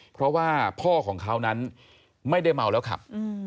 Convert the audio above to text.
เพราะว่าพ่อของเขานั้นไม่ได้เมาแล้วขับ